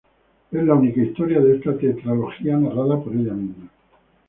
Es la única historia de esta tetralogía narrada por ella misma.